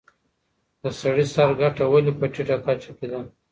د سړي سر ګټه ولي په ټیټه کچه کي ده؟